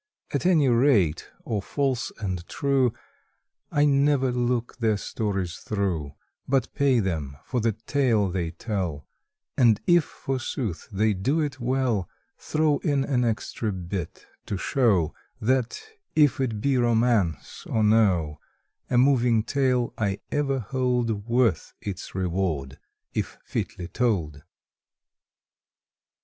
At any rate, or false and true, I never look their stories through, But pay them for the tale they tell, And if forsooth they do it well Throw in an extra bit to show That, if it be romance or no, A moving tale I ever hold Worth its reward if fitly told.